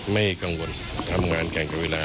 ไม่กังวลทำงานแข่งกับเวลา